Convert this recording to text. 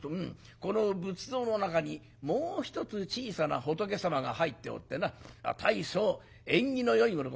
「この仏像の中にもう一つ小さな仏様が入っておってな大層縁起のよいものとされておるんだ。